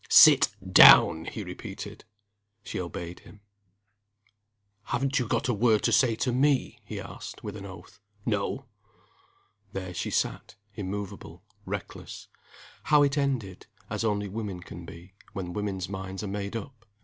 "Sit down!" he repeated. She obeyed him. "Haven't you got a word to say to me?" he asked, with an oath. No! there she sat, immovable, reckless how it ended as only women can be, when women's minds are made up.